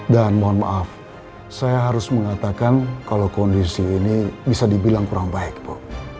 dan mohon maaf saya harus mengatakan kalau kondisi ini bisa dibilang kurang baik bu